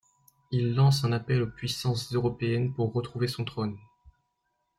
Il lance un appel aux puissances européennes pour retrouver son trône.